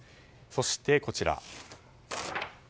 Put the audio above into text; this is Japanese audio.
そして、こちら。